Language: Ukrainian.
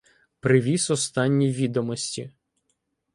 Привіз останні відомості.